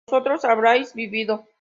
vosotros habríais vivido